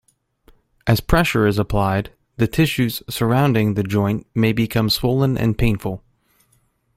As pressure is applied, the tissues surrounding the joint may become swollen and painful.